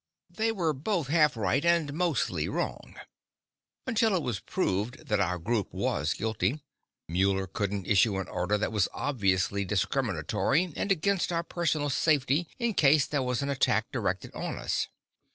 They were both half right, and mostly wrong. Until it was proved that our group was guilty, Muller couldn't issue an order that was obviously discriminatory and against our personal safety in case there was an attack directed on us.